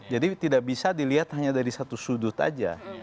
jadi tidak bisa dilihat hanya dari satu sudut aja